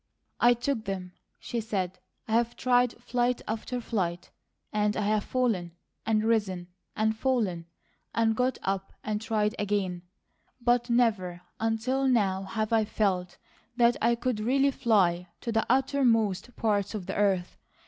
"I took them," she said. "I've tried flight after flight; and I've fallen, and risen, and fallen, and got up and tried again, but never until now have I felt that I could really 'fly to the uttermost parts of the earth.'